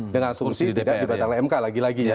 dengan sursi tidak dibatangkan mk lagi lagi ya